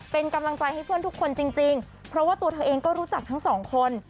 เป็นกำลังใจให้เพื่อนทุกคนจริงเพราะว่าตัวเธอเองก็รู้จักทั้งสองคน